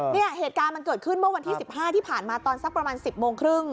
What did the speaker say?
เนี่ยเหตุการณ์มันเกิดขึ้นเมื่อวันที่๑๕ที่ผ่านมาตอนสักประมาณ๑๐โมงครึ่ง